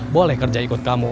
boleh kerja ikut kamu